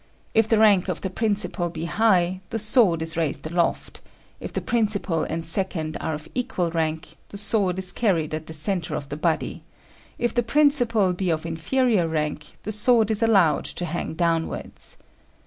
If the rank of the principal be high, the sword is raised aloft; if the principal and second are of equal rank, the sword is carried at the centre of the body; if the principal be of inferior rank, the sword is allowed to hang downwards.